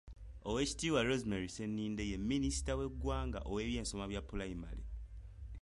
Oweekitiibwa Rosemary Sseninde ye Minisita w'eggwanga ow'ebyensoma bya pulayimale.